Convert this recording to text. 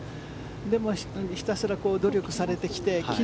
でも、ひたすら努力されてきて。